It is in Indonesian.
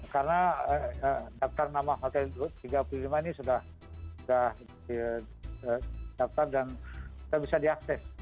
karena daftar nama hotel tiga puluh lima ini sudah di daftar dan bisa diakses